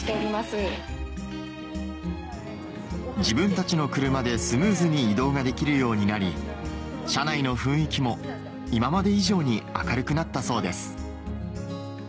自分たちの車でスムーズに移動ができるようになり車内の雰囲気も今まで以上に明るくなったそうです